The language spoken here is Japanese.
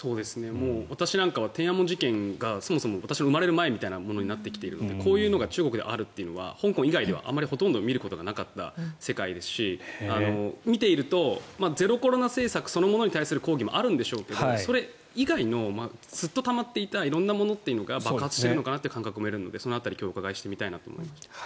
私なんかは天安門事件自体が私が生まれる前みたいなことになっているのでこういうのが中国であるというのは香港以外では、あまりほとんど見ることがなかった世界ですし見ているとゼロコロナ政策そのものに対する抗議もあるんでしょうけどそれ以外のずっとたまっていたものが爆発しているのかなという感覚もあるのでその辺りも伺いたいなと思います。